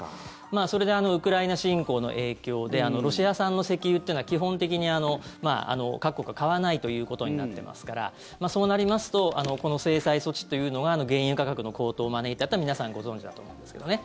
それでウクライナ侵攻の影響でロシア産の石油というのは基本的に各国が買わないということになってますからそうなりますとこの制裁措置というのが原油価格の高騰を招いたというのは皆さんご存じだと思うんですけどね。